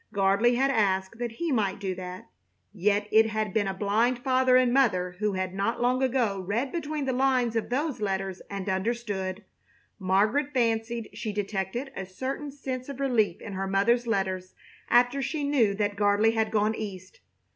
Gardley had asked that he might do that. Yet it had been a blind father and mother who had not long ago read between the lines of those letters and understood. Margaret fancied she detected a certain sense of relief in her mother's letters after she knew that Gardley had gone East.